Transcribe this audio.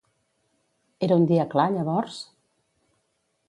Era un dia clar, llavors?